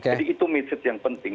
jadi itu mitos yang penting